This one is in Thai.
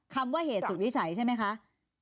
คำว่าเหตุสุดวิจัยใช่ไหมคะ